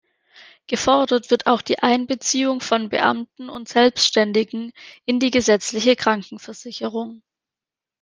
Gefordert wird auch die Einbeziehung von Beamten und Selbstständigen in die gesetzliche Krankenversicherung.